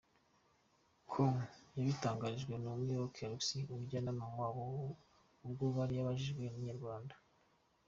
com yabitangarijwe na Muyoboke Alex umujyanama wabo ubwo yari abajijwe na Inyarwanda.